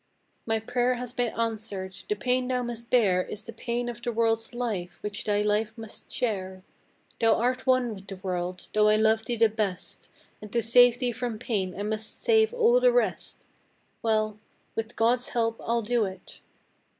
My prayer has been answered. The pain thou must bear Is the pain of the world's life which thy life must share. Thou art one with the world though I love thee the best; And to save thee from pain I must save all the rest Well with God's help I'll do it.